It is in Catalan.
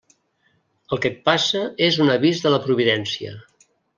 El que et passa és un avís de la Providència.